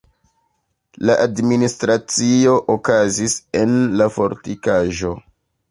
La administracio okazis en la fortikaĵo.